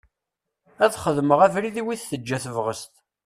Ad xedmeɣ abrid i wid teǧǧa tebɣest.